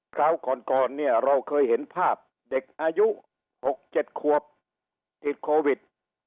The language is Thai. คราวก่อนเนี่ยเราเคยเห็นภาพเด็กอายุ๖๗ควบติดโควิด